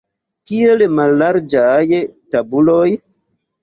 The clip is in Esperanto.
Kiel mallarĝaj tabuloj!